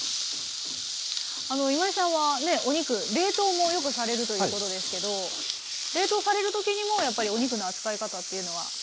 あの今井さんはお肉冷凍もよくされるということですけど冷凍される時にもやっぱりお肉の扱い方というのは？